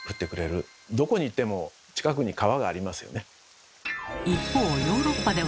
どこに行っても近くに川がありますよね。